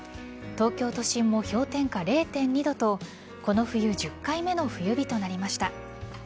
東京都心も氷点下０．２度とこの冬１０回目の冬日となりました。